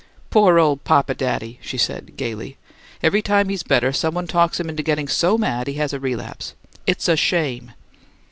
"Poor old papa daddy!" she said, gaily. "Every time he's better somebody talks him into getting so mad he has a relapse. It's a shame!"